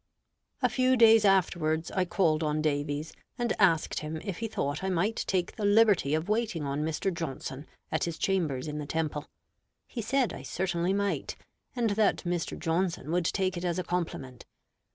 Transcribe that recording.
A few days afterwards I called on Davies, and asked him if he thought I might take the liberty of waiting on Mr. Johnson at his chambers in the Temple. He said I certainly might, and that Mr. Johnson would take it as a compliment.